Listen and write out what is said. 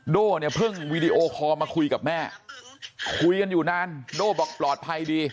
โด่เนี่ยเพิ่งวีดีโอคอลมาคุยกับแม่คุยกันอยู่นานโด้บอกปลอดภัยดี